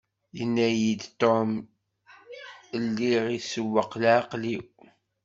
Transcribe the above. Yenna-yi-d Tom lliɣ isewweq leεqel-iw.